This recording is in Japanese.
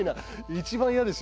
一番嫌ですよね。